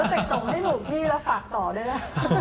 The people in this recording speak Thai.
รู้สึกตกไม่ถูกพี่แล้วฝากต่อด้วยล่ะ